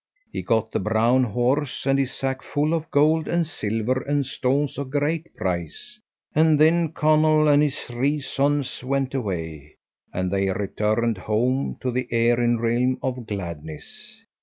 He got the brown horse and his sack full of gold and silver and stones of great price, and then Conall and his three sons went away, and they returned home to the Erin realm of gladness.